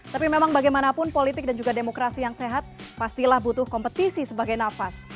tapi memang bagaimanapun politik dan juga demokrasi yang sehat pastilah butuh kompetisi sebagai nafas